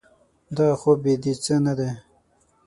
دغه خوب بې د څه نه دی.